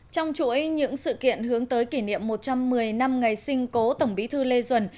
trong chuỗi những sự kiện hướng tới kỷ niệm một trăm một mươi năm ngày sinh cố tổng bí thư lê duẩn